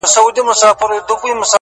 شپه كي هم خوب نه راځي جانه زما!